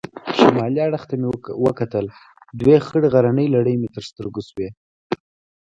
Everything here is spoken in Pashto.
شمالي اړخ ته مې وکتل، دوې خړې غرنۍ لړۍ مې تر سترګو شوې.